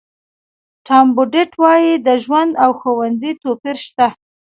ټام بوډیټ وایي د ژوند او ښوونځي توپیر شته.